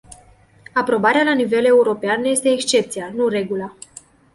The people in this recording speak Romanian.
Aprobarea la nivel european este excepția, nu regula.